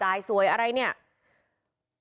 หรือจากกับตำรวจเคลียด่ายจายสวยอะไรเนี่ย